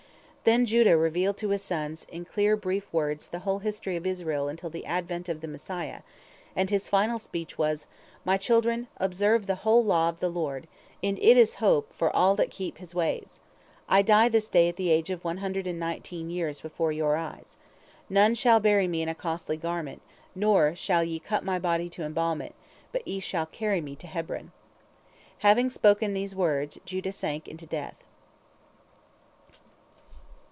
Then Judah revealed to his sons, in clear, brief words, the whole history of Israel until the advent of the Messiah, and his final speech was: "My children, observe the whole law of the Lord; in it is hope for all that keep His ways. I die this day at the age of one hundred and nineteen years before your eyes. None shall bury me in a costly garment, nor shall ye cut my body to embalm it, but ye shall carry me to Hebron." Having spoken these words, Judah sank into death.